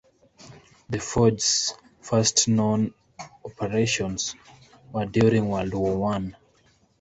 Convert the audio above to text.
The Forge's first known operations were during World War One.